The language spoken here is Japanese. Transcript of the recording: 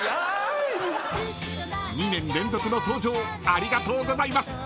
［２年連続の登場ありがとうございます］